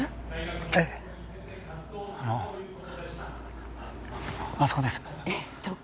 ええあのあそこですえッどこ？